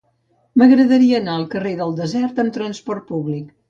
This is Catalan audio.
M'agradaria anar al carrer del Desert amb trasport públic.